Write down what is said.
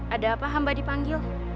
ada apa hamba dipanggil